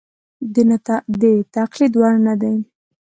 د تقلید وړ نه دي.